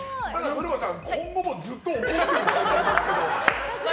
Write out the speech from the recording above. ぶるまさん、今後もずっと怒ってることになりますけど。